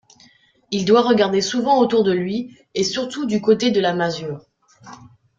Il doit regarder souvent autour de lui, et surtout du côté de la masure.